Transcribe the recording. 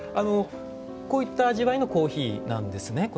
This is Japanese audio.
こういった味わいのコーヒーなんですね？